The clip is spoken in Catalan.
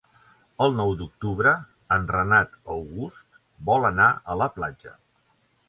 El nou d'octubre en Renat August vol anar a la platja.